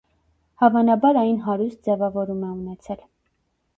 Հավանաբար այն հարուստ ձևավորում է ունեցել։